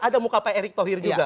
ada muka pak erick thohir juga